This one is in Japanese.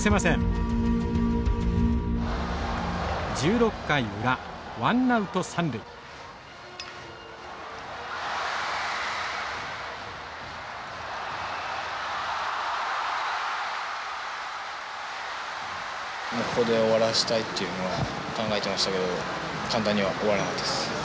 ここで終わらせたいっていうのは考えてましたけど簡単には終わらなかったです。